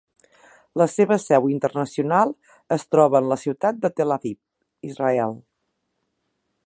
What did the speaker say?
La seva seu internacional es troba en la ciutat de Tel Aviv, Israel.